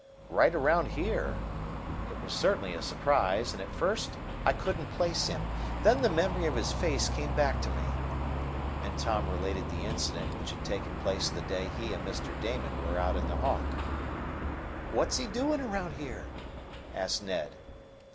"Right around here. It was certainly a surprise, and at first I couldn't place him. Then the memory of his face came back to me," and Tom related the incident which had taken place the day he and Mr. Damon were out in the Hawk. "What's he doing around here?" asked Ned.